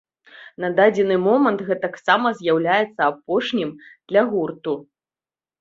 На дадзены момант гэтаксама з'яўляецца апошнім для гурту.